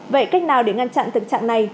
vậy cách nào để ngăn chặn tự trạng này